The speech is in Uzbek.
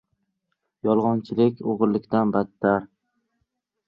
Yolg‘onchilik o‘g‘rilikdan battar.